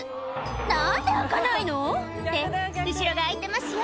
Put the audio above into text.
「何で開かないの⁉」って後ろが開いてますよ